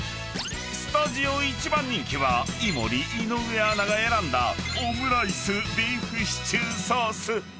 ［スタジオ一番人気は井森井上アナが選んだオムライスビーフシチューソース］